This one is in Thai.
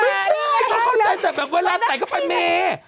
ไม่ใช่เขาเข้าใจแต่แบบเวลาใส่เข้าไปเมย์